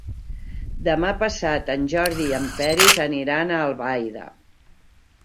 Demà passat en Jordi i en Peris aniran a Albaida.